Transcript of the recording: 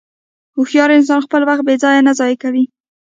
هوښیار انسان خپل وخت بېځایه نه ضایع کوي.